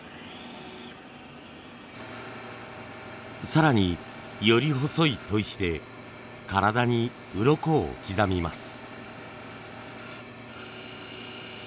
更により細い砥石で体にうろこを刻みます。